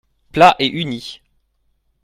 Plat et uni.